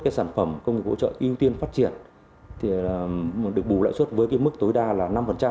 các sản phẩm công nghiệp hỗ trợ ưu tiên phát triển thì được bù lãi suất với mức tối đa là năm